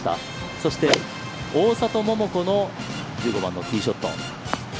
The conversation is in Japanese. そして、大里桃子の１５番のティーショット。